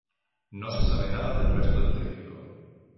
No se sabe nada del resto del tríptico.